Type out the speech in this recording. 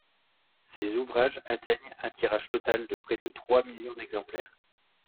Ses ouvrages atteignent un tirage total de près de trois millions d'exemplaires.